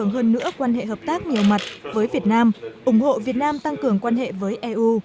hơn nữa quan hệ hợp tác nhiều mặt với việt nam ủng hộ việt nam tăng cường quan hệ với eu